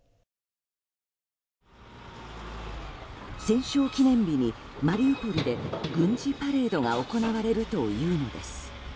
戦勝記念日にマリウポリで軍事パレードが行われるというのです。